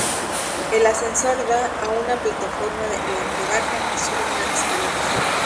El ascensor da a una plataforma de la que bajan y suben unas escaleras.